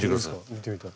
見てみたい。